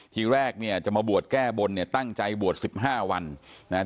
ทีแรกเนี่ยจะมาบวชแก้บนเนี่ยตั้งใจบวชสิบห้าวันนะครับ